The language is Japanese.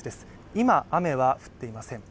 今、雨は降っていません。